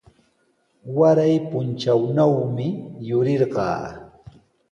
Waray puntrawnawmi yurirqaa.